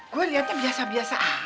gue liatnya biasa biasa aja